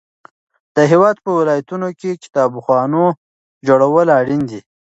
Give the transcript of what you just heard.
د هیواد په ولایتونو کې کتابخانو جوړول اړین دي.